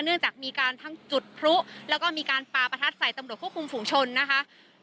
เนื่องจากมีการทั้งจุดพลุแล้วก็มีการปาประทัดใส่ตำรวจควบคุมฝุงชนนะคะ